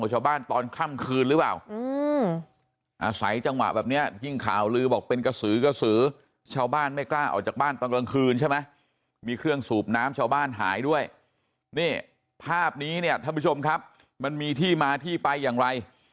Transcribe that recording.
หรือว่าข้าวของของชาวบ้านตอนค่ำคืนหรือเปล่า